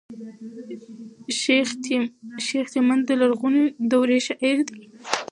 شېخ تیمن د لرغوني دورې شاعر دﺉ.